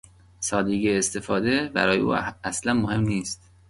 سادگی استفاده برای او اصلا مهم نیست.